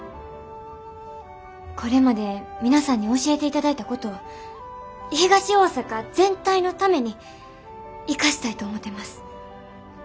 これまで皆さんに教えていただいたことを東大阪全体のために生かしたいと思てます。